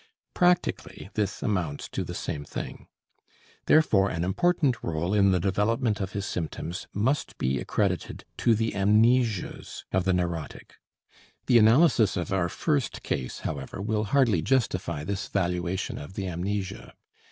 Practically this amounts to the same thing. Therefore an important role in the development of his symptoms must be accredited to the amnesias of the neurotic. The analysis of our first case, however, will hardly justify this valuation of the amnesia.